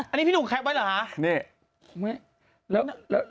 อันนี้พี่หนูแคปไว้หรือหรือหานี่